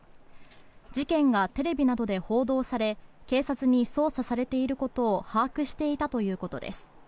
事件がテレビなどで報道され警察に捜査されていることを把握していたということです。